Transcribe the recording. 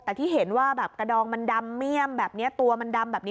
แต่ที่เห็นว่าแบบกระดองมันดำเมี่ยมแบบนี้ตัวมันดำแบบนี้